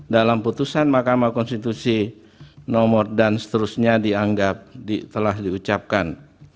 dalam putusan mahkamah konstitusi nomor dan seterusnya dianggap telah diucapkan